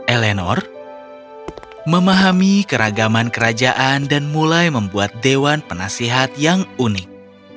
elenor memahami keragaman kerajaan dan mulai membuat dewan penasihat yang unik